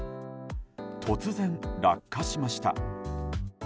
突然、落下しました。